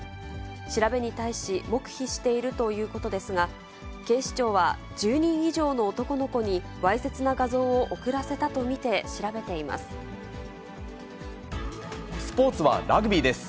調べに対し、黙秘しているということですが、警視庁は、１０人以上の男の子にわいせつな画像を送らせたと見て調べていまスポーツはラグビーです。